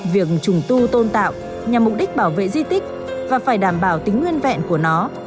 việc trùng tu tôn tạo nhằm mục đích bảo vệ di tích và phải đảm bảo tính nguyên vẹn của nó